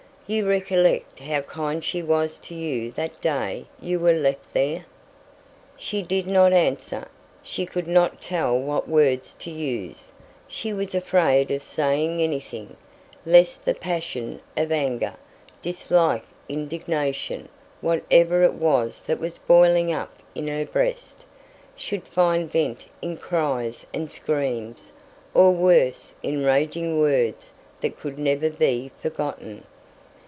You recollect how kind she was to you that day you were left there?" She did not answer. She could not tell what words to use. She was afraid of saying anything, lest the passion of anger, dislike, indignation whatever it was that was boiling up in her breast should find vent in cries and screams, or worse, in raging words that could never be forgotten.